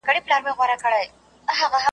د تاريخ په برخه کي حبيبي صاحب